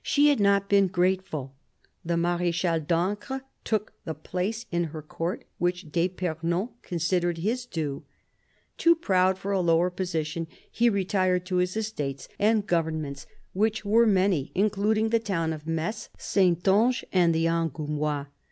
She had not been grateful : the Marechal d'Ancre took the place in her court which d'fipernon considered his due. Too proud for a lower position, he retired to his estates and govern ments, which were many, including the town of Metz, Saintonge, and the Angoumois.